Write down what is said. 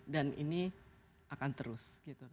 dan ini akan terus